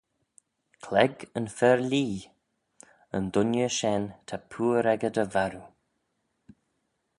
"Clague yn fer lhee, ""yn dooinney shen ta pooar echey dy varroo."